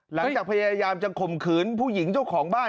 หลังจากพยายามจะคมขืนผู้หญิงเจ้าของบ้าน